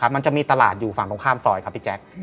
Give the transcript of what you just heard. มันจะมีตลาดอยู่ฝั่งตรงข้ามซอยครับพี่แจ๊ค